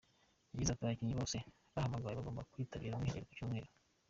Yagize ati “Abakinnyi bose bahamagawe bagomba kwitabira umwiherero ku Cyumweru.